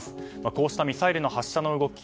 こうしたミサイルの発射の動き